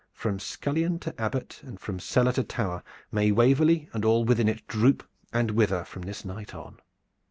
From scullion to Abbot and from cellar to tower, may Waverley and all within it droop and wither from this night on!"